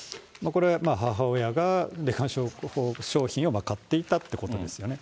これ、母親が霊感商法商品を買っていたってことですよね。